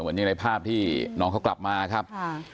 เหมือนที่ในภาพที่น้องเขากลับมาครับ